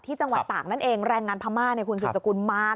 ที่จังหวัดต่างนั่นเองแรงงานพม่าในคุณสุจกุลมาก